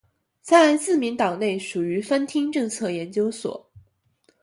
在自民党内属于番町政策研究所。